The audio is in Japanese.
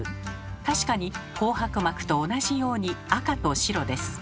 確かに紅白幕と同じように赤と白です。